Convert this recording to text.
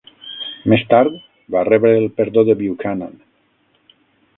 Més tard, va rebre el perdó de Buchanan.